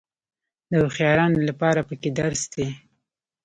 د هوښیارانو لپاره پکې درس دی.